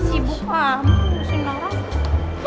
sibuk amu singgah singgah